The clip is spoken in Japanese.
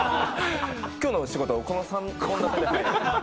今日の仕事はこの３本立て。